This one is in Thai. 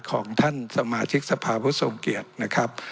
ของท่านสมาชิกสภาพุทธทรงเกียรตินะครับ